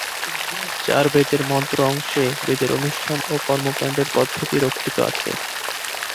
চার বেদের মন্ত্র অংশে বেদের অনুষ্ঠান ও কর্মকাণ্ডের পদ্ধতি রক্ষিত আছে।